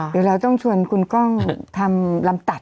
เดี๋ยวเราต้องชวนคุณกล้องทำลำตัด